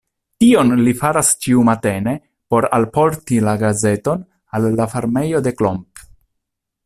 Tion li faras ĉiumatene por alporti la gazeton al la farmejo de Klomp.